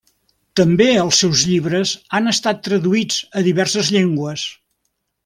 També els seus llibres han estat traduïts a diverses llengües.